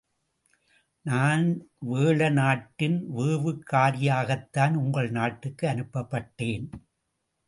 நான் வேழ நாட்டின் வேவுகாரியாகத்தான் உங்கள் நாட்டுக்கு அனுப்பப்பட்டேன்.